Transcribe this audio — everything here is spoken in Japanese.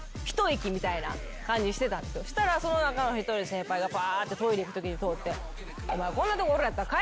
そしたらその中の１人先輩がトイレ行くときに通って。